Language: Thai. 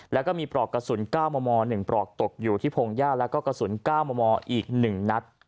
แล้วก็มีปลอกกระสุนก้าวมอมอ๑ปลอกตกอยู่ที่พงย่าแล้วก็กระสุนก้าวมอมอออีกหนึ่งนัด